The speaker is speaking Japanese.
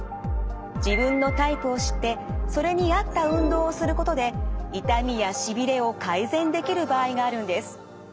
自分のタイプを知ってそれに合った運動をすることで痛みやしびれを改善できる場合があるんです。